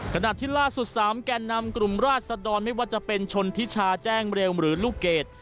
ขณะที่ล่าสุด๓แก่นำกลุ่มราชดรไม่ว่าจะเป็นชนทิชาแจ้งเร็วหรือลูกเกด